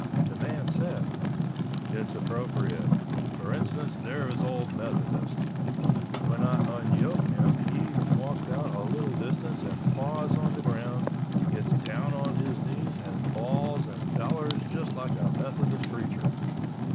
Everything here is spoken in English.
The man said, "It's appropriate. For instance, there is old Methodist—when I unyoke him he walks out a little distance and paws on the ground, gets down on his knees and balls and bellers just like a Methodist preacher.